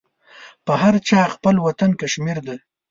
په هر چا خپل وطن کشمير ده.